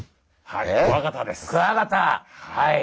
はい。